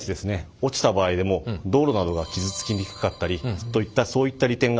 落ちた場合でも道路などが傷つきにくかったりといったそういった利点があります。